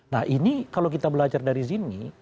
nah ini kalau kita belajar dari sini